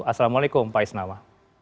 assalamualaikum pak isnawa